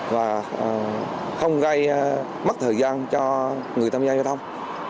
và không gây mất thời gian cho người tham gia giao thông